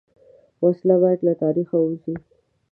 وسله باید له تاریخ ووځي